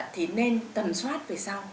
thì nên tầm soát về sau